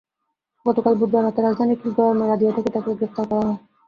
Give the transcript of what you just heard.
গতকাল বুধবার রাতে রাজধানীর খিলগাঁওয়ের মেরাদিয়া থেকে তাঁকে গ্রেপ্তার করা হয়।